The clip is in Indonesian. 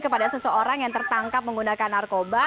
kepada seseorang yang tertangkap menggunakan narkoba